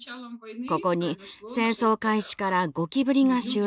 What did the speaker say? ここに戦争開始からゴキブリが襲来しました。